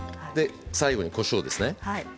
最後にこしょうです。